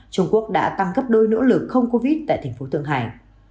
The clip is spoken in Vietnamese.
trung quốc đã tăng cấp đôi nỗ lực không covid tại tp thượng hải